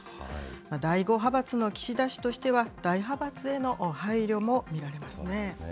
第５派閥の岸田氏としては、大派閥への配慮も見られますね。